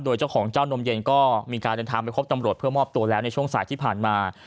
โดยเจ้าของเจ้านมเย็นก็มีการเดินทางไปพบตำรวจเพื่อมอบตัวแล้วในช่วงสายที่ผ่านมา